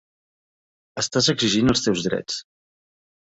Estàs exigint els teus drets.